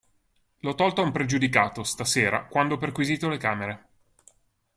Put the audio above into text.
L'ho tolto a un pregiudicato, stasera, quando ho perquisito le camere.